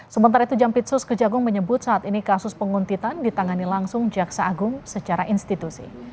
sementara itu jampitsus kejagung menyebut saat ini kasus penguntitan ditangani langsung jaksa agung secara institusi